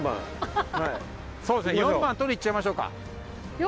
４番取りに行っちゃいましょうか。